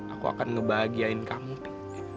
aku akan ngebahagiain kamu tuh